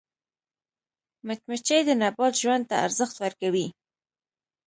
مچمچۍ د نبات ژوند ته ارزښت ورکوي